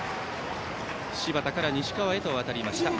柴田から西川へと渡りました。